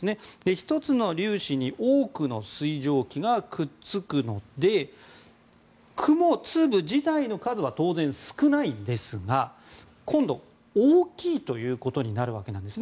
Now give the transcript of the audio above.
１つの粒子に多くの水蒸気がくっつくので雲粒自体の数は当然少ないですが今度、大きいということになるわけなんですね。